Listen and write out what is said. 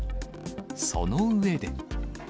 その上で。